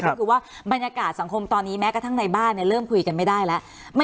ก็คือว่าบรรยากาศสังคมตอนนี้แม้กระทั่งในบ้านเริ่มคุยกันไม่ได้แล้ว